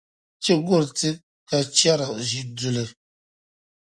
Chi guri ti ka chɛri ʒiduli.